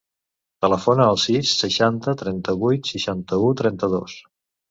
Telefona al sis, seixanta, trenta-vuit, seixanta-u, trenta-dos.